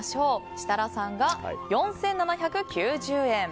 設楽さんが４７９０円。